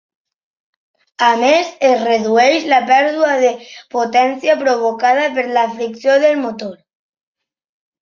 A més, es redueix la pèrdua de potència provocada per la fricció del motor.